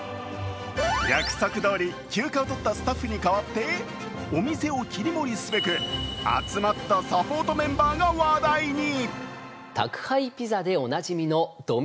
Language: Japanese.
約束どおり休暇を取ったスタッフに代わってお店を切り盛りすべく集まったサポートメンバーが話題に。